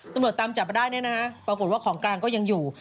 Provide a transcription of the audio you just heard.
ตำรวจตามจับมาได้เนี่ยนะฮะปรากฏว่าของกลางก็ยังอยู่